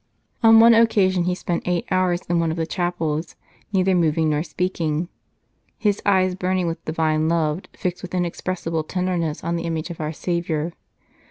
On one occasion he spent eight hours in one of the chapels, neither moving nor speaking, his eyes burning with Divine love, fixed with inexpressible tenderness on the image of our Saviour.